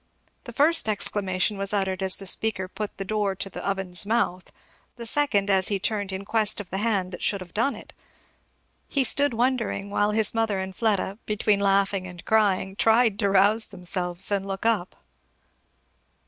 The first exclamation was uttered as the speaker put the door to the oven's mouth; the second as he turned in quest of the hand that should have done it. He stood wondering, while his mother and Fleda between laughing and crying tried to rouse themselves and look up.